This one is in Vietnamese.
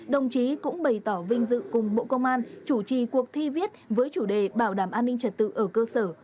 đồng chí cũng bày tỏ vinh dự cùng bộ công an chủ trì cuộc thi viết với chủ đề bảo đảm an ninh trật tự ở cơ sở